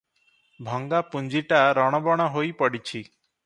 ଭଙ୍ଗା ପୁଞ୍ଜିଟା ରଣବଣ ହୋଇ ପଡିଛି ।"